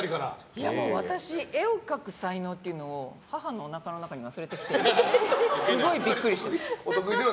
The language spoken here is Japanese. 私、絵を描く才能というのを母のおなかの中に忘れてきちゃってすごいビックリしてる。